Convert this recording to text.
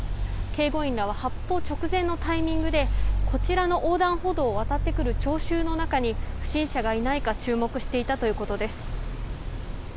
警護員らは発砲直前のタイミングでこちらの横断歩道を渡ってくる聴衆の中に不審者がいないか注目していたということです。